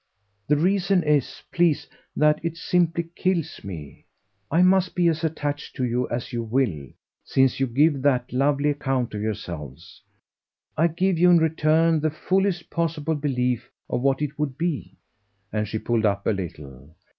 The reason is, please, that it simply kills me. I must be as attached to you as you will, since you give that lovely account of yourselves. I give you in return the fullest possible belief of what it would be " And she pulled up a little.